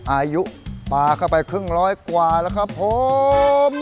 อายุปลาเข้าไปครึ่งร้อยกว่าแล้วครับผม